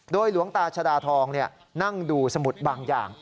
หลวงตาชดาทองนั่งดูสมุดบางอย่าง